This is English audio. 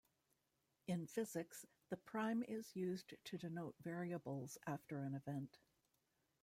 In physics, the prime is used to denote variables after an event.